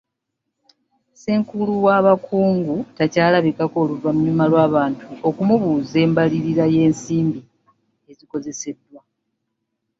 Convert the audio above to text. Ssenkulu w'abakungu takyalabikako oluvanyuma lw'abantu okumubuuza embalirira y'ensimbi ezikozeseddwa.